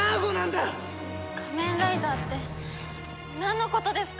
仮面ライダーってなんのことですか？